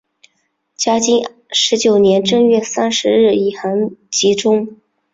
嘉靖十九年正月三十日以寒疾终。